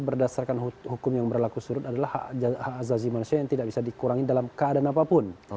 berdasarkan hukum yang berlaku surut adalah hak azazi manusia yang tidak bisa dikurangi dalam keadaan apapun